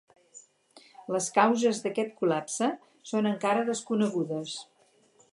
Les causes d’aquest col·lapse són encara desconegudes.